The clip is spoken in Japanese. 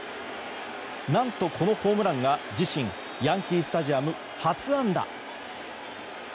何とこのホームランが自身ヤンキー・スタジアム初安打。